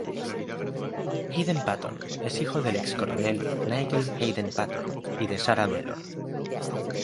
Hadden-Paton es hijo del ex-coronel, Nigel Hadden-Paton y de Sarah Mellor.